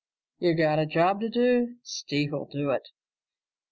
You gotta job to do, Steve'll do it.